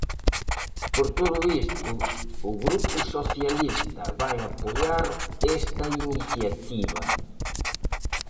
Por todo isto, o Grupo Socialista vai apoiar esta iniciativa.